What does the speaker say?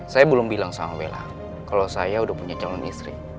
saya belum bilang sama bella kalau saya udah punya calon istri